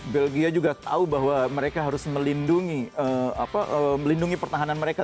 belgia juga tahu bahwa mereka harus melindungi pertahanan mereka